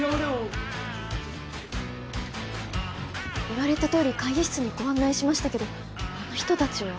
言われたとおり会議室にご案内しましたけどあの人達は？